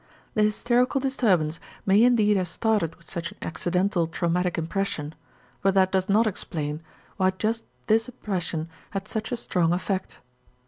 The hysterical disturbance may indeed have started with such an accidental traumatic impression but that does not explain why just this impression had such a strong effect.